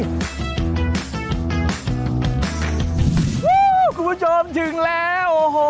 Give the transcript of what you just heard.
คุณผู้ชมถึงแล้ว